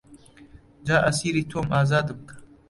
جا ئەسیری تۆم ئازادم کە